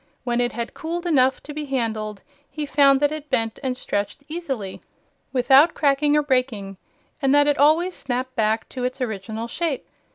When it had cooled enough to be handled, he found that it bent and stretched easily, without cracking or breaking, and that it always snapped back to its original shape.